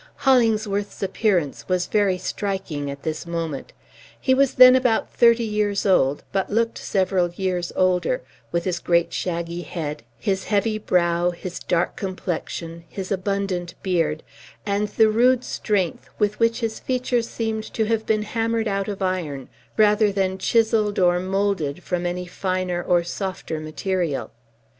Hollingsworth's appearance was very striking at this moment. He was then about thirty years old, but looked several years older, with his great shaggy head, his heavy brow, his dark complexion, his abundant beard, and the rude strength with which his features seemed to have been hammered out of iron, rather than chiselled or moulded from any finer or softer material.